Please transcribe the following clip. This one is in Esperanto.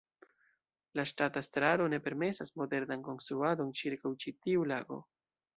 La ŝtata estraro ne permesas modernan konstruadon ĉirkaŭ ĉi tiu lago.